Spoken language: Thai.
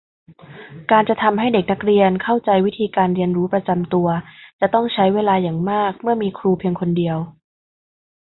การจะทำให้เด็กนักเรียนเข้าใจวิธีการเรียนรู้ประจำตัว จะต้องใช้เวลาอย่างมากเมื่อมีครูเพียงคนเดียว